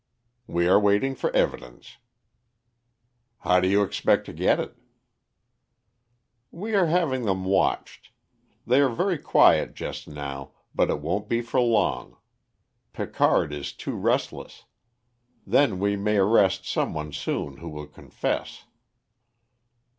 "We are waiting for evidence." "How do you expect to get it?" "We are having them watched. They are very quiet just now, but it won't be for long. Picard is too restless. Then we may arrest some one soon who will confess."